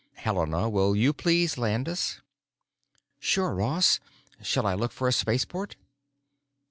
Helena, will you please land us?" "Sure, Ross. Shall I look for a spaceport?"